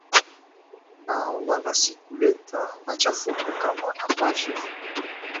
na wala si kuleta machafuko kama ambavyo